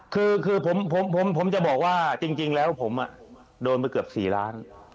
คือผมจะบอกว่าจริงแล้วผมโดนไปเกือบ๔ล้าน